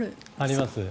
あります。